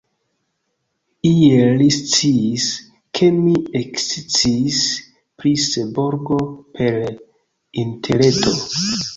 Iel li sciis, ke mi eksciis pri Seborgo per Interreto.